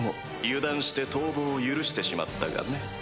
油断して逃亡を許してしまったがね。